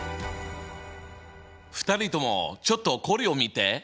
２人ともちょっとこれを見て！